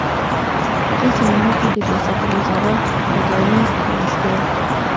په دې سمینار کې د ریاستالوزراء اداري مرستیال.